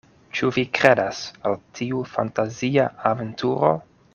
Ĉu vi kredas al tiu fantazia aventuro?